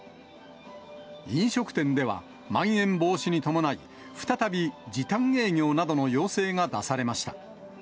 飲食店では、まん延防止に伴い、再び時短営業などの要請が出されました。